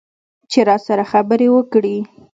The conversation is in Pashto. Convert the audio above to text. چې راسره خبرې وکړي.